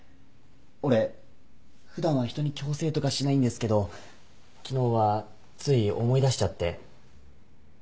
俺普段は人に強制とかしないんですけど昨日はつい思い出しちゃって。